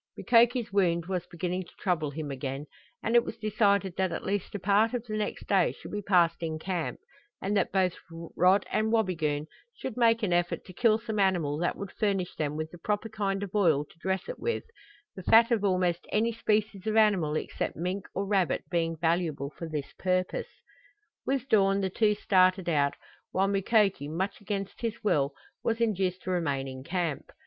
Mukoki's wound was beginning to trouble him again, and it was decided that at least a part of the next day should be passed in camp, and that both Rod and Wabigoon should make an effort to kill some animal that would furnish them with the proper kind of oil to dress it with, the fat of almost any species of animal except mink or rabbit being valuable for this purpose. With dawn the two started out, while Mukoki, much against his will, was induced to remain in camp.